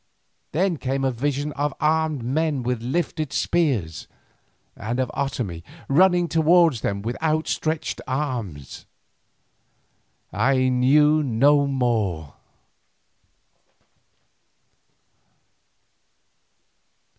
Then came a vision of armed men with lifted spears, and of Otomie running towards them with outstretched arms. I knew no more.